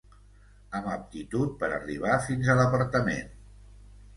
Amb aptitud per arribar fins a l'apartament.